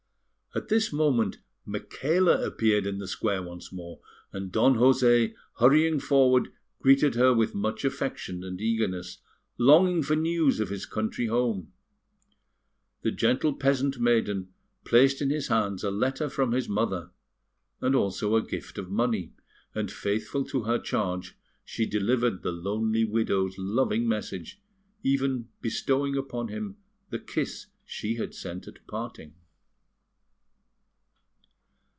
At this moment Micaela appeared in the square once more, and Don José, hurrying forward, greeted her with much affection and eagerness, longing for news of his country home. The gentle peasant maiden placed in his hands a letter from his mother, and also a gift of money; and, faithful to her charge, she delivered the lonely widow's loving message, even bestowing upon him the kiss she had sent at parting.